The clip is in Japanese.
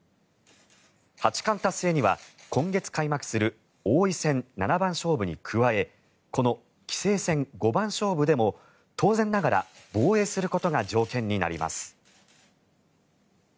八冠達成には今月開幕する王位戦七番勝負に加えこの棋聖戦五番勝負でも当然ながら防衛することが条件になります。